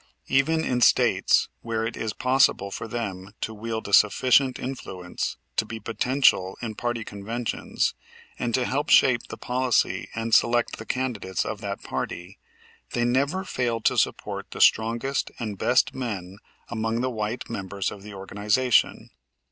Even in States where it is possible for them to wield a sufficient influence to be potential in party conventions, and to help shape the policy and select the candidates of that party, they never fail to support the strongest and best men among the white members of the organization.